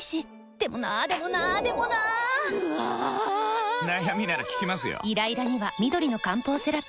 でもなーでもなーでもなーぬあぁぁぁー！！！悩みなら聞きますよ。